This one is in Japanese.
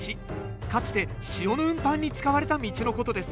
かつて塩の運搬に使われた道のことです。